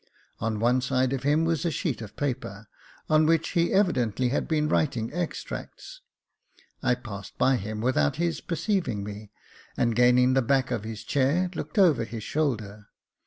On one side of him was a sheet of paper, on which he evidently had been writing extracts. I passed by him without his perceiving me, and, gaining the back of his chair, looked over his shoulder.